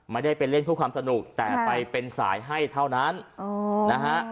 ไม่ได้ไปเล่นเพื่อความสนุกแต่ไปเป็นสายให้เท่านั้นนะฮะ